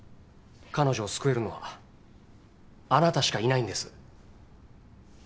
彼女を救えるのはあなたしかいないんです。